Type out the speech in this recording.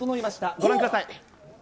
ご覧ください。